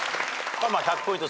１００ポイント